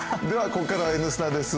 ここからは「Ｎスタ」です。